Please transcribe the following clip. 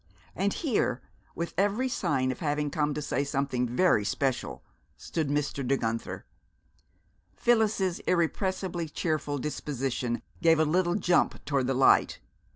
And here, with every sign of having come to say something very special, stood Mr. De Guenther! Phyllis' irrepressibly cheerful disposition gave a little jump toward the light.